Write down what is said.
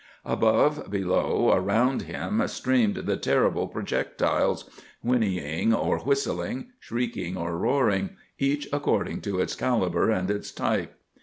Above, below, around him streamed the terrible projectiles, whinnying or whistling, shrieking or roaring, each according to its calibre and its type.